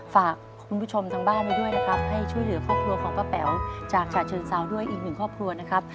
ฝากคุณผู้ชมทางบ้านมาด้วยนะครับให้ช่วยเหลือครอบครัวของป้าแป๋วจากฉะเชิงเซาด้วยอีกหนึ่งครอบครัวนะครับ